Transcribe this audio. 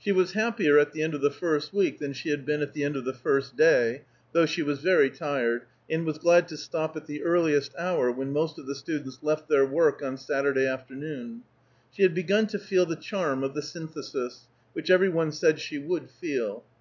She was happier at the end of the first week than she had been at the end of the first day, though she was very tired, and was glad to stop at the earlier hour when most of the students left their work on Saturday afternoon. She had begun to feel the charm of the Synthesis, which every one said she would feel.